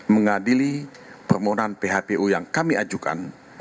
mengadili permohonan phpu yang kami ajukan